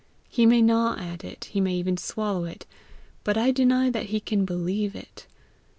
He may gnaw at it, he may even swallow it, but I deny that he can believe it.